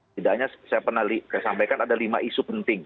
tidak hanya saya pernah sampaikan ada lima isu penting